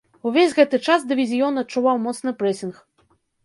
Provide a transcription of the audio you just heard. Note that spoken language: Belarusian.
Увесь гэты час дывізіён адчуваў моцны прэсінг.